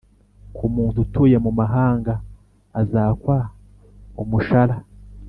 Ku muntu utuye mu mahanga azakwa umushara